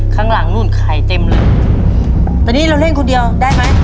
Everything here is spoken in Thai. ข้างหลังนู่นไข่เต็มเลยตอนนี้เราเล่นคนเดียวได้ไหม